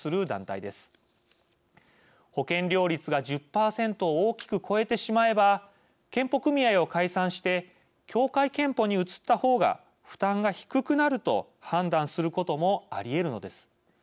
保険料率が１０％を大きく超えてしまえば健保組合を解散して協会けんぽに移った方が負担が低くなると判断することもありえるのです。